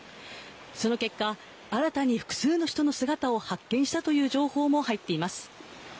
その結果新たに複数の人の姿を発見したという情報も入っています。